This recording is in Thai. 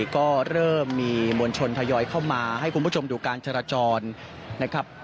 ก็เริ่มมีมวลชนทยอยเข้ามาให้คุณผู้ชมดูการจราจรนะครับ